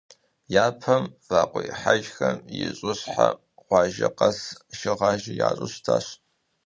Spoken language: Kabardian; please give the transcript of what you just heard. Япэм вакӏуэихьэжым и щӏыхькӏэ къуажэ къэс шыгъажэ ящӏу щытащ.